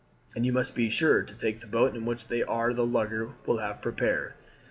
And you must be sure to take the boat in which they are to the lugger we have prepared."